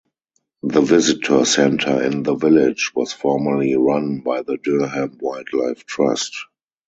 The visitor centre in the village was formerly run by the Durham Wildlife Trust.